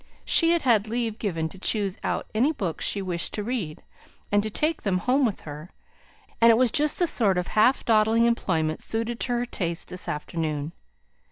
She had had leave given to choose out any books she wished to read, and to take them home with her; and it was just the sort of half dawdling employment suited to her taste this afternoon.